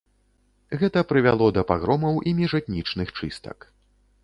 Гэта прывяло да пагромаў і міжэтнічных чыстак.